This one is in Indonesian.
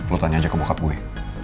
lo tanya aja ke bokap gue